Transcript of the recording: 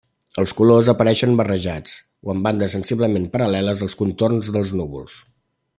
Els colors apareixen barrejats o amb bandes sensiblement paral·leles als contorns dels núvols.